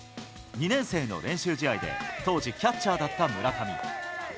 ２年生の練習試合で、当時、キャッチャーだった村上。